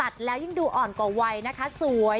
ดูอ่อนกว่าวัยนะคะสวย